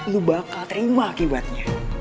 lu bakal terima akibatnya